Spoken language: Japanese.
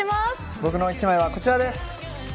僕の１枚はこちらです。